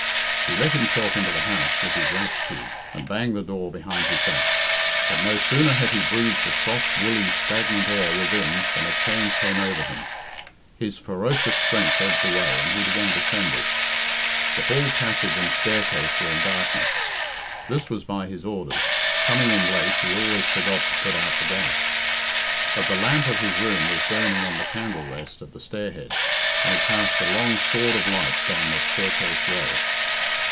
He let himself into the house with his latch key, and banged the door behind his back. But no sooner had he breathed the soft, woolly, stagnant air within than a change came over him. His ferocious strength ebbed away, and he began to tremble. The hall passage and staircase were in darkness. This was by his orders coming in late, he always forgot to put out the gas. But the lamp of his room was burning on the candle rest at the stairhead, and it cast a long sword of light down the staircase well.